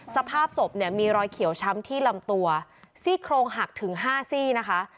สภาพศพเนี่ยมีรอยเขียวช้ำที่ลำตัวซี่โครงหักถึง๕ซี่นะคะ